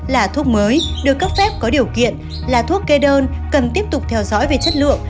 là thuốc mới được cấp phép có điều kiện là thuốc kê đơn cần tiếp tục theo dõi về chất lượng